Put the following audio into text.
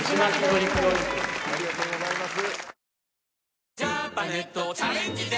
ありがとうございます